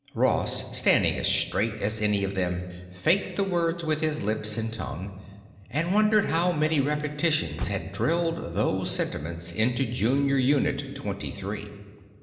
Ross, standing as straight as any of them, faked the words with his lips and tongue, and wondered how many repetitions had drilled those sentiments into Junior Unit Twenty Three.